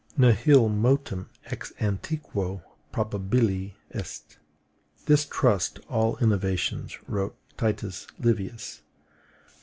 Nihil motum ex antiquo probabile est: Distrust all innovations, wrote Titus Livius.